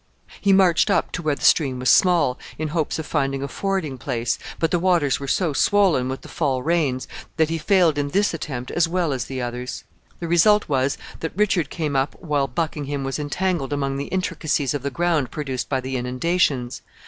He marched up to where the stream was small, in hopes of finding a fording place, but the waters were so swollen with the fall rains that he failed in this attempt as well as the others. The result was, that Richard came up while Buckingham was entangled among the intricacies of the ground produced by the inundations.